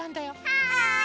はい！